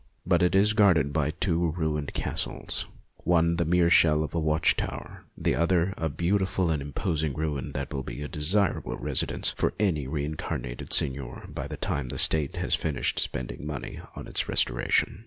But it is guarded by two ruined castles, one the mere shell of a watch tower, the other a beau tiful and imposing ruin that will be a desir able residence for any reincarnated seigneur by the time the State has finished spending money on its restoration.